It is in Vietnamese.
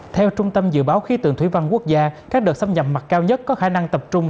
theo trung tâm dự báo khí tượng thủy văn quốc gia các đợt xâm nhập mặt cao nhất có khả năng tập trung